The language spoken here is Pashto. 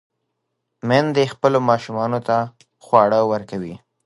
میندې خپلو ماشومانو ته خواړه ورکوي.